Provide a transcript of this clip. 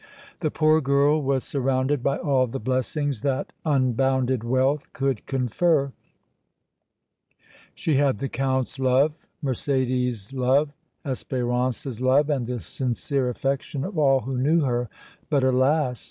The poor girl was surrounded by all the blessings that unbounded wealth could confer; she had the Count's love, Mercédès' love, Espérance's love and the sincere affection of all who knew her; but alas!